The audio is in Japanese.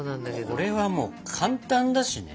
これはもう簡単だしね。